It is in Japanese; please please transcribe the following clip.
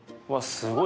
すごい。